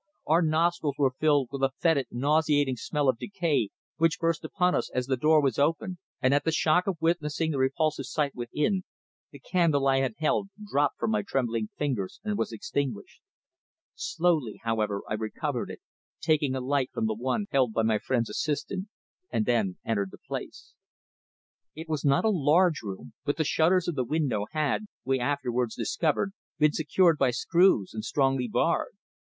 Our nostrils were filled with a foetid, nauseating smell of decay which burst upon us as the door was opened, and at the shock of witnessing the repulsive sight within, the candle I had held dropped from my trembling fingers and was extinguished. Slowly, however, I recovered it, taking a light from the one held by my friend's assistant, and then entered the place. It was not a large room, but the shutters of the window had, we afterwards discovered, been secured by screws and strongly barred.